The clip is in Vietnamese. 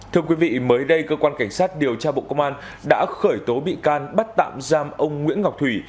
thưa quý vị mới đây cơ quan cảnh sát điều tra bộ công an đã khởi tố bị can bắt tạm giam ông nguyễn ngọc thủy